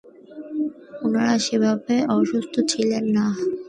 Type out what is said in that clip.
উনারা সেভাবে অসুস্থ ছিলেন না!